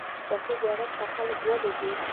سخي زیارت ته خلک ولې ځي؟